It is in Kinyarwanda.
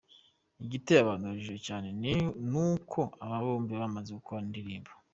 Igiteye abantu urujijo cyane ni uko aba bombi bamaze gukorana indirimbo.